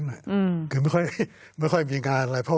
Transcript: ตามผลิหารที่มันผิดพลาด